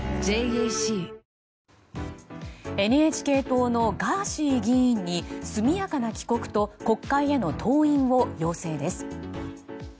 ＮＨＫ党のガーシー議員に速やかな帰国と国会への登院を要請です。